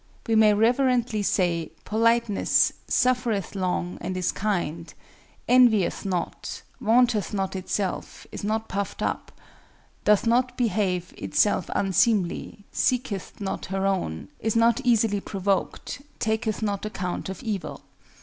We may reverently say, politeness "suffereth long, and is kind; envieth not, vaunteth not itself, is not puffed up; doth not behave itself unseemly, seeketh not her own, is not easily provoked, taketh not account of evil."